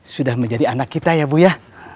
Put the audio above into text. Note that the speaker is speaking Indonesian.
sudah menjadi anak kita ya bu ya